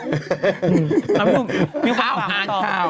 น้ำชาชีวนัทครับผมโพสต์ขอโทษทำเข้าใจผิดหวังคำเวพรเป็นจริงนะครับ